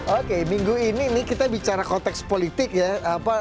oke minggu ini kita bicara konteks politik ya